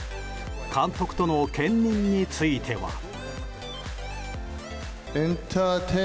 監督との兼任については。